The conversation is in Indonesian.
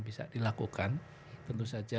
bisa dilakukan tentu saja